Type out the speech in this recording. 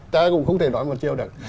ta cũng không thể nói một chiêu được